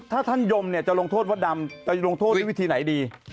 ถ้าท่านยมนี่จะโรงโทษว่าดำกูจะโรงโทษที่วิธีไหนดี